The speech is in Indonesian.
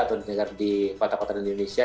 atau di kota kota di indonesia